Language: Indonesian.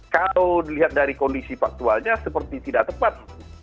kalau dilihat dari kondisi faktualnya seperti tidak tepat